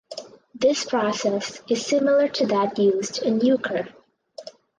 This process is similar to that used in Euchre.